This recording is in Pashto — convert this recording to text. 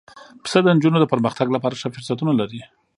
پسه د نجونو د پرمختګ لپاره ښه فرصتونه لري.